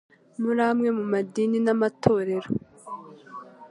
Muri amwe mu madini n amatorero